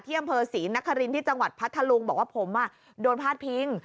อำเภอศรีนครินที่จังหวัดพัทธลุงบอกว่าผมโดนพาดพิง